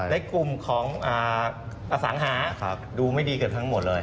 ในกลุ่มของอสังหาดูไม่ดีเกือบทั้งหมดเลย